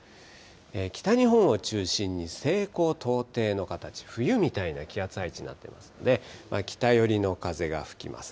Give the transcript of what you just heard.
北日本を中心に西高東低の形、冬みたいな気圧配置になっていますので、北寄りの風が吹きます。